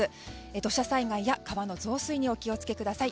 土砂災害や川の増水にお気を付けください。